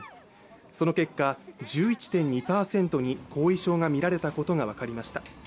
その結果、１１．２％に後遺症がみられたことが分かりました。